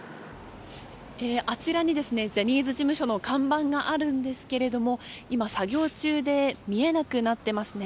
あちらにジャニーズ事務所の看板があるんですけども今、作業中で見えなくなっていますね。